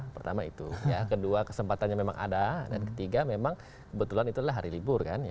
pertama itu kedua kesempatannya memang ada dan ketiga memang kebetulan itu adalah hari libur kan